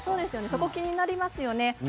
そこ気になりますよね。